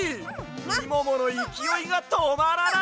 みもものいきおいがとまらない！